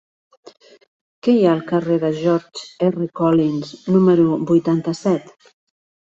Què hi ha al carrer de George R. Collins número vuitanta-set?